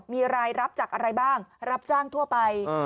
มีรายรับจากอะไรบ้างรับจ้างทั่วไป